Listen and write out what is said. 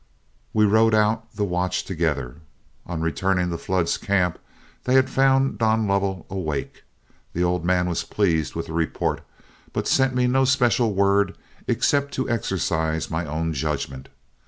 '" We rode out the watch together. On returning to Flood's camp, they had found Don Lovell awake. The old man was pleased with the report, but sent me no special word except to exercise my own judgment.